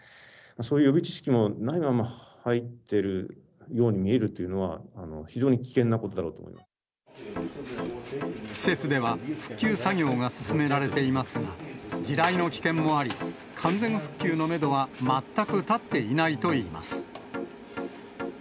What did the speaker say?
そういう予備知識もないまま入ってるように見えるというのは、施設では、復旧作業が進められていますが、地雷の危険もあり、完全復旧のメドは全く立っていないといいます。